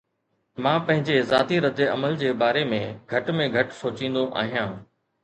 مان پنهنجي جذباتي ردعمل جي باري ۾ گهٽ ۾ گهٽ سوچيندو آهيان